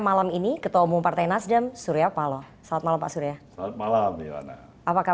dari peristiwa yang paling baru